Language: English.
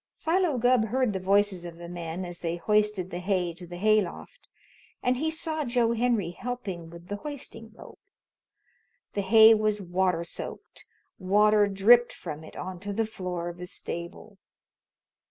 Philo Gubb heard the voices of the men as they hoisted the hay to the hay loft, and he saw Joe Henry helping with the hoisting rope. The hay was water soaked. Water dripped from it onto the floor of the stable.